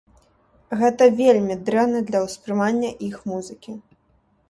Гэта вельмі дрэнна для ўспрымання іх музыкі.